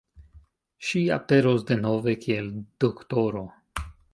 Ŝi aperos denove kiel D-ro.